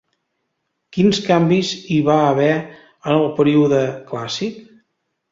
Quins canvis hi va haver en el període clàssic?